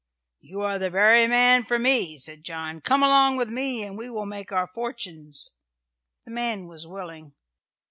"You are the very man for me," said John. "Come along with me and we will make our fortunes." The man was willing.